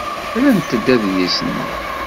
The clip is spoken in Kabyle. Rrant-d adlis-nni.